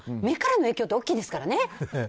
目からの影響は大きいですからね。